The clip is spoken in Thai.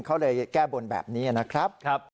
เขาเลยแก้บนแบบนี้นะครับ